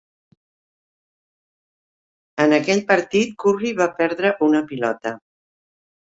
En aquell partit, Curry va perdre una pilota.